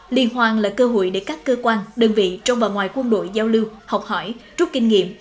liên hoan là cơ hội để các cơ quan đơn vị trong và ngoài quân đội giao lưu học hỏi rút kinh nghiệm